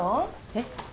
えっ？